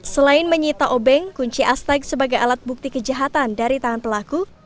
selain menyita obeng kunci astag sebagai alat bukti kejahatan dari tangan pelaku